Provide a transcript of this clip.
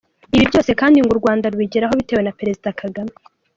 Ibi byose kandi ngo u Rwanda rubigeraho bitewe na Perezida Kagame.